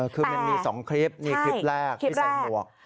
คือมันมี๒คลิปนี่คลิปแรกที่ใส่หมวก